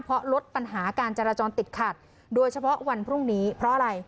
เพราะลดปัญหาการจราจรติดขัดโดยเฉพาะวันพรุ่งนี้เพราะอะไร